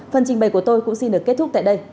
phần trình bày của tôi cũng xin được kết thúc tại đây